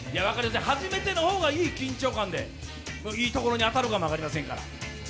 初めての方がいい緊張感でいいところに当たるかも分かりませんから。